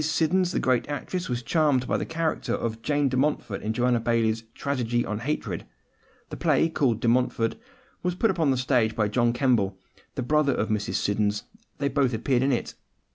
Siddons, the great actress, was charmed by the character of Jane de Montfort in Joanna Baillie's Tragedy on Hatred. The play called De Montfort was put upon the stage by John Kemble, the brother of Mrs. Siddons: they both appeared in it.